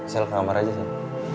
sel ke kamar aja sayang